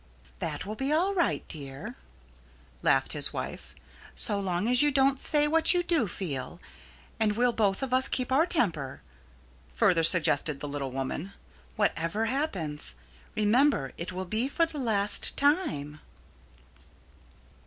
"That will be all right, dear," laughed his wife, "so long as you don't say what you do feel. And we'll both of us keep our temper," further suggested the little woman, "whatever happens. Remember, it will be for the last time."